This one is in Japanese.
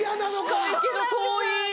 近いけど遠い！